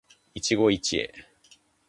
一期一会